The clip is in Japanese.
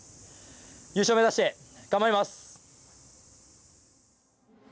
優勝目指して頑張ります。